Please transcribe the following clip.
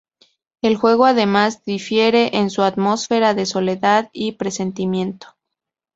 El juego además difiere en su atmósfera de soledad y presentimiento.